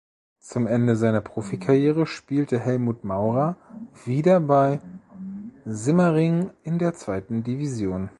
Zum Ende seiner Profikarriere spielte Helmut Maurer wieder bei Simmering in der Zweiten Division.